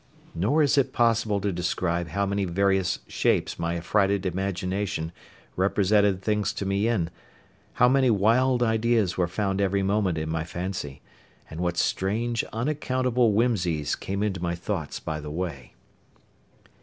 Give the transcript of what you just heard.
Nor is it possible to describe how many various shapes my affrighted imagination represented things to me in, how many wild ideas were found every moment in my fancy, and what strange, unaccountable whimsies came into my thoughts by the way.